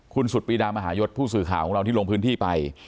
คุณสุดปีดามหายศผู้สื่อข่าวของเราที่ลงพื้นที่ไป